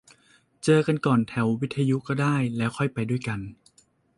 เจอกันก่อนแถววิทยุก็ได้ แล้วค่อยไปด้วยกัน